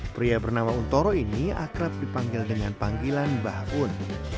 pria bernama untoro ini akrab dipanggil dengan panggilan mbah un